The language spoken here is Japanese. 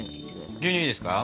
牛乳いいですか？